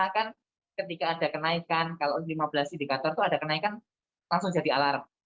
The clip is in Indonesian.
kan ketika ada kenaikan kalau lima belas indikator itu ada kenaikan langsung jadi alarm